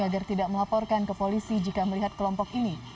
agar tidak melaporkan ke polisi jika melihat kelompok ini